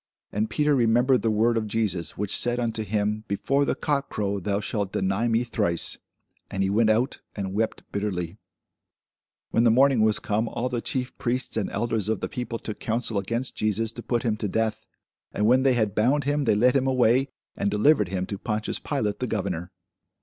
And Peter remembered the word of Jesus, which said unto him, Before the cock crow, thou shalt deny me thrice. And he went out, and wept bitterly. [Sidenote: St. Matthew 27] When the morning was come, all the chief priests and elders of the people took counsel against Jesus to put him to death: and when they had bound him, they led him away, and delivered him to Pontius Pilate the governor.